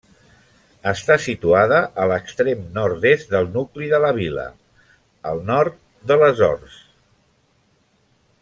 Està situada a l'extrem nord-est del nucli de la vila, al nord de les Horts.